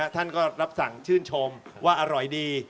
ท่านก็รับสั่งชื่นชมว่าอร่อยดี